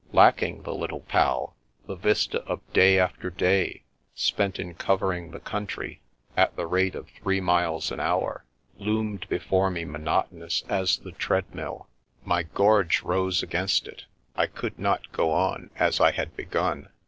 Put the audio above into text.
Lacking the Little Pal, the vista of day after day spent in covering the country at the rate of three miles an hour loomed before me monoto nous as the treadmill. My gorge rose against it. I could not go on as I had begun.